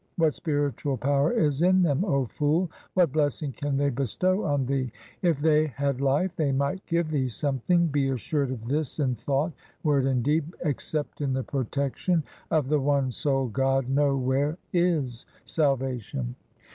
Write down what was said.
What spiritual power is in them, O fool ? what blessing can they bestow on thee ? If they had life, they might give thee something ; be assured of this in thought, word, and deed — Except in the protection of the one sole God nowhere is salvation.